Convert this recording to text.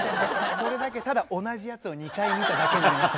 これだけただ同じやつを２回見ただけになりました。